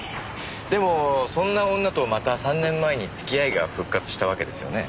でもそんな女とまた３年前に付き合いが復活したわけですよね？